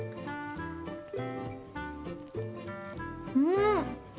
うん！